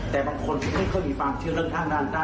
แต่บางคนก็มีความไม่เชื่อเรื่องร่างด้านนี้